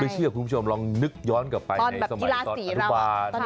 เชื่อคุณผู้ชมลองนึกย้อนกลับไปในสมัยตอนอนุบาล